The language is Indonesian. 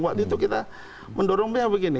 waktu itu kita mendorongnya begini